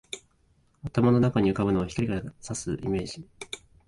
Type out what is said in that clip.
頭の中に浮ぶのは、光が射すイメージ